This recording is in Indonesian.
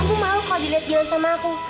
kamu malu kalau dilihat jalan sama aku